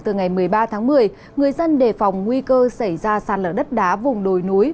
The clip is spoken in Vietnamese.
từ ngày một mươi ba tháng một mươi người dân đề phòng nguy cơ xảy ra sạt lở đất đá vùng đồi núi